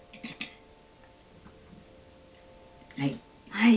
はい。